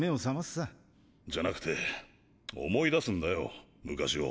じゃなくて思い出すんだよ昔を。